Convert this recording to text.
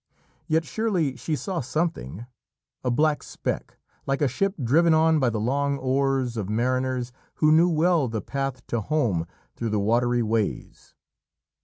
Yet surely she saw something a black speck, like a ship driven on by the long oars of mariners who knew well the path to home through the watery ways.